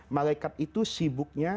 malaikat itu sibuknya